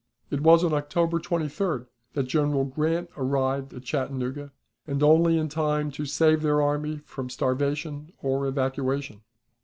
It was on October 23d that General Grant arrived at Chattanooga, and only in time to save their army from starvation or evacuation.